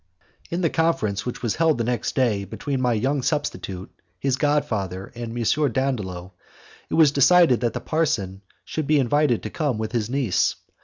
In the conference which was held the next day between my young substitute, his god father, and M. Dandolo, it was decided that the parson should be invited to come with his niece.